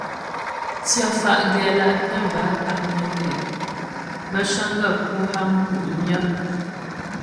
Tsyə fá́ gɛla'tə bə́ á taknyə tɛ', bə́ cəŋgaə́ pə́ ha mku' myə.